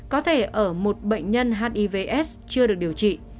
có thể ở một bệnh nhân hivs chưa được điều trị